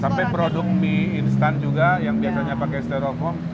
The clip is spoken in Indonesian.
sampai produk mie instan juga yang biasanya pakai sterofoam